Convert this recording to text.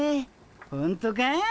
ほんとか？